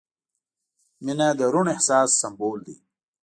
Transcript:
• مینه د روڼ احساس سمبول دی.